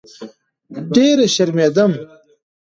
ډېره شرمېدم.